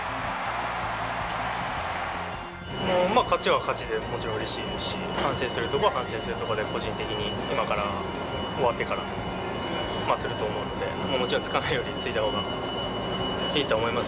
勝ちは勝ちでもちろんうれしいですし、反省するところは反省するところで、個人的に今から、終わってからすると思うので、もちろん、つかないよりかはついたほうがいいとは思います。